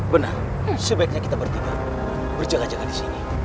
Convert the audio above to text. benar sebaiknya kita bertiga berjaga jaga di sini